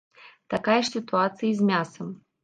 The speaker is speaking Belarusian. Такая ж сітуацыя і з мясам.